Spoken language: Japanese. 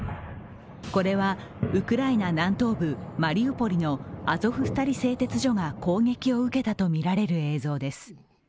これは、ウクライナ南東部マリウポリのアゾフスタリ製鉄所が攻撃を受けたとみられる映像です。